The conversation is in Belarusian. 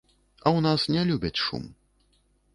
А ў нас не любяць шум.